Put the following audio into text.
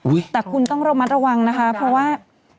แต่คุณต้องระมัดระวังนะคะเพราะว่า